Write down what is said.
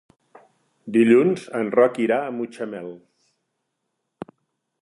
Dilluns en Roc irà a Mutxamel.